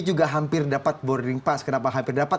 juga hampir dapat boarding pass kenapa hampir dapat